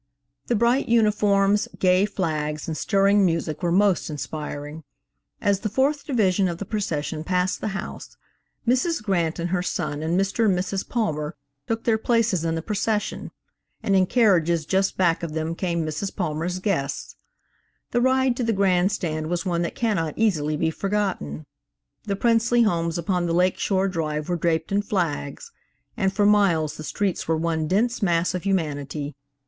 The bright uniforms, gay flags and stirring music were most inspiring. As the fourth division of the procession passed the house, Mrs. Grant and her son and Mr. and Mrs. Palmer took their places in the procession, and in carriages just back of them came Mrs. Palmer's guests. The ride to the grand stand was one that cannot easily be forgotten. The princely homes upon the Lake Shore Drive were draped in flags, and for miles the streets were one dense mass of humanity.